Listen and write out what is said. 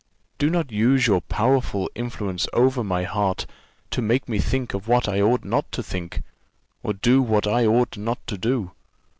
Do not use your powerful influence over my heart to make me think of what I ought not to think, or do what I ought not to do.